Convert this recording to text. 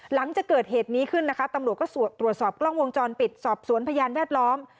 หลังจากเกิดเหตุนี้ขึ้นนะคะตำรวจก็ตรวจสอบกล้องวงจรปิดสอบสวนพยานแวดล้อม